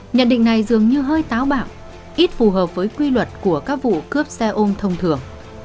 nhận định này dường như hơi táo bạo ít phù hợp với quy luật của các vụ cướp xe ôm thông thường